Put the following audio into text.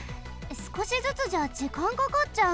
すこしずつじゃじかんかかっちゃう。